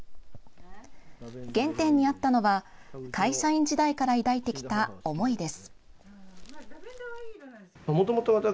原点にあったのは会社員時代から抱いてきた思いです。